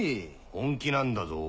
本気なんだぞ。